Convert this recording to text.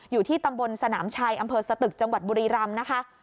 อยู่ที่ตำบลสนามชัยอำเภอสตึกจังหวัดบุรีรำนะคะ